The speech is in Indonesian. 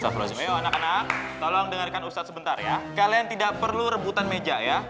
isolasi mewah anak anak tolong dengarkan ustadz sebentar ya kalian tidak perlu rebutan meja ya